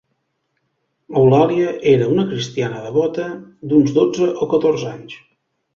Eulàlia era una cristiana devota d'uns dotze o catorze anys.